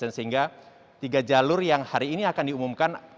sehingga tiga jalur yang hari ini akan diumumkan